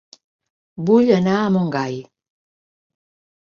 Vull anar a Montgai